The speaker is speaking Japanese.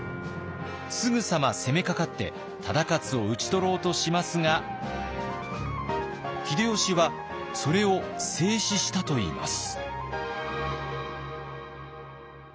すぐさま攻めかかって忠勝を討ち取ろうとしますが秀吉はそれを制止したといいます。